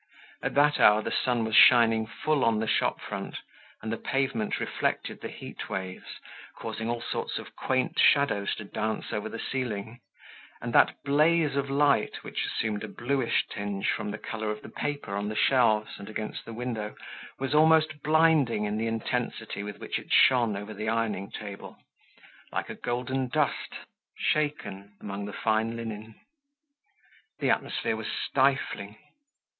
At that hour the sun was shining full on the shop front, and the pavement reflected the heat waves, causing all sorts of quaint shadows to dance over the ceiling, and that blaze of light which assumed a bluish tinge from the color of the paper on the shelves and against the window, was almost blinding in the intensity with which it shone over the ironing table, like a golden dust shaken among the fine linen. The atmosphere was stifling.